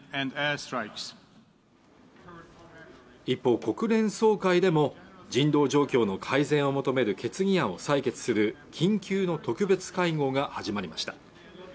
一方、国連総会でも人道状況の改善を求める決議案を採決する緊急の特別会合が始まりました